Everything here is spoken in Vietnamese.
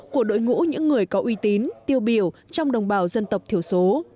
của đội ngũ những người có uy tín tiêu biểu trong đồng bào dân tộc thiểu số